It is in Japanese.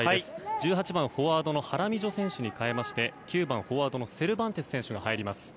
１８番、フォワードのハラミジョ選手に代わりまして９番フォワードのセルバンテス選手が入ります。